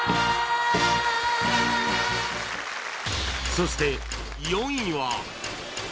そして４位は